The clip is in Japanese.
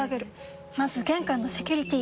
まず玄関のセキュリティ！